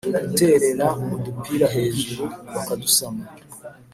guterera udupira hejuru bakadusama